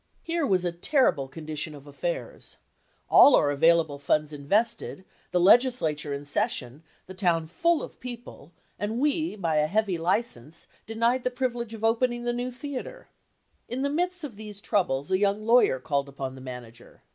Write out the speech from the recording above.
Here was a terrible condition of affairs. All our available funds invested, the legislature in session, the town full of people, and we, by a heavy license, denied the privilege of opening the new theater. 87 LINCOLN THE LAWYER In the midst of these troubles a young lawyer 1 called upon the manager.